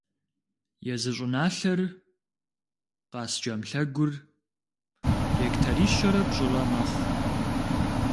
Езы щӏыналъэр, «Къаскӏэм лъэгур», гектарищэрэ пщӏырэ мэхъу.